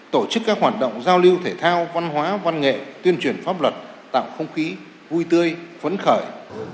tổ chức các hoạt động giao lưu thể thao văn hóa văn nghệ tuyên truyền pháp luật tạo không khí vui tươi phấn khởi